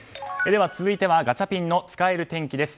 では、続いてはガチャピンの使える天気です。